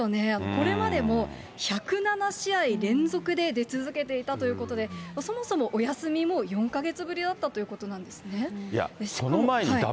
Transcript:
これまでも１０７試合連続で出続けていたということで、そもそもお休みも４か月ぶりだったということなんですね。